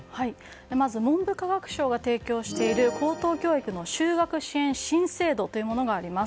まず文部科学省が提供している高等教育の修学支援新制度があります。